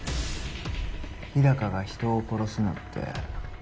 日高が人を殺すのって